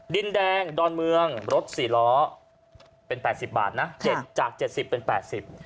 ดินแดงดอนเมืองรถสี่ล้อเป็นแปดสิบบาทนะเจ็ดจากเจ็ดสิบเป็นแปดสิบ